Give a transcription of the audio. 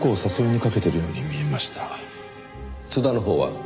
津田のほうは？